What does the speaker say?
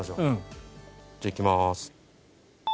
じゃあいきまーす。